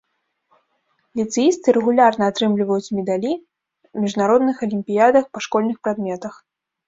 Ліцэісты рэгулярна атрымліваюць медалі міжнародных алімпіядах па школьных прадметах.